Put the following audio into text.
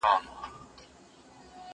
مرگ حقه پياله ده.